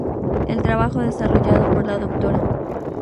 El trabajo desarrollado por la Dra.